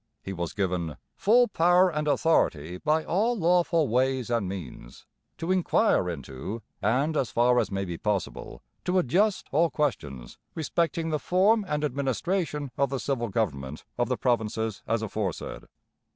He was given 'full power and authority ... by all lawful ways and means, to inquire into, and, as far as may be possible, to adjust all questions ... respecting the Form and Administration of the Civil Government' of the provinces as aforesaid.